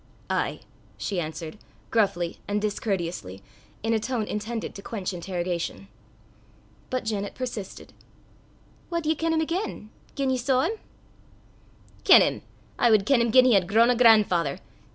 "Ay," she answered, gruffly and discourteously, in a tone intended to quench interrogation. But Janet persisted. "Wad ye ken 'im again gien ye saw 'im?" "Ken 'im? I wad ken 'im gien he had grown a gran'father.